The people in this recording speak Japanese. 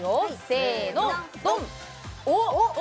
せーのドンおっ！